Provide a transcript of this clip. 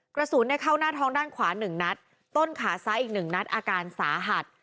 กระสุนเข้าหน้าท้องด้านขวา๑นัดต้นขาซ้ายอีก๑นัดอาการสาหัส